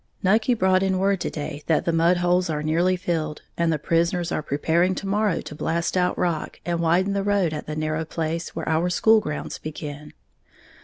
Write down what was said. _ Nucky brought in word to day that the mudholes are nearly filled, and the prisoners are preparing to morrow to blast out rock and widen the road at the narrow place where our school grounds begin.